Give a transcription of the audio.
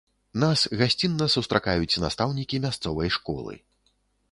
Нас гасцінна сустракаюць настаўнікі мясцовай школы.